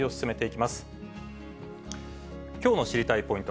きょうの知りたいッ！